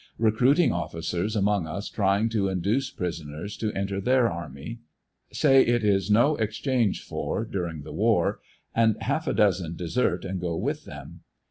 Recruiting: officers among us trying to induce prisoners to enter their army. Say it is no exchange for during the war, and half a dozen desert and go with them.